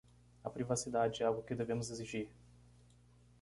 A privacidade é algo que devemos exigir.